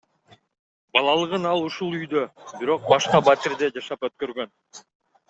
Балалыгын ал ушул үйдө, бирок башка батирде жашап өткөргөн.